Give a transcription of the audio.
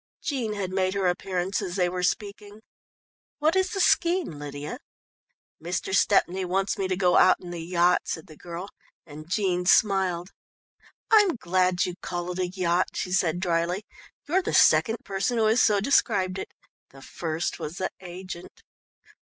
Jean had made her appearance as they were speaking. "What is the scheme, Lydia?" "Mr. Stepney wants me to go out in the yacht," said the girl, and Jean smiled. "I'm glad you call it a 'yacht,'" she said dryly. "You're the second person who has so described it. The first was the agent.